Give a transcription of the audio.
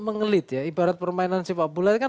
mengelit ya ibarat permainan sepak bola itu kan